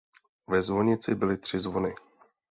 Ve zvonici byly tři zvony.